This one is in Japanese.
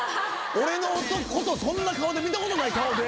俺のことそんな顔で見たことない顔で。